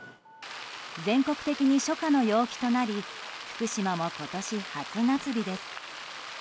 全国的に初夏の陽気となり福島も今年、初夏日です。